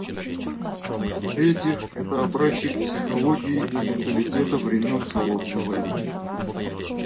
В-третьих, это образчик психологии и менталитета времен «холодной войны».